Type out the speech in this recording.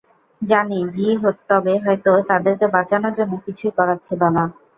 জানি, যী, তবে হয়তো তাদেরকে বাঁচানোর জন্য কিছুই করার ছিল না।